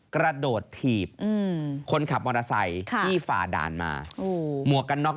กระโดดถีบอืมคนขับมอเงินใช่ค่ะที่ฝ่าด่านมาโอ้หมวกกันนอก